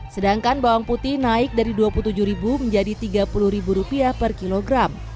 sedangkan bawang putih naik dari rp dua puluh tujuh menjadi rp tiga puluh per kilogram